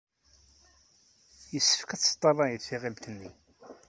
Yessefk ad talyed tiɣilt-nni.